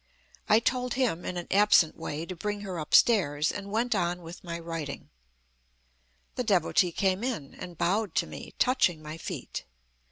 I told him, in an absent way, to bring her upstairs, and went on with my writing. The Devotee came in, and bowed to me, touching my feet.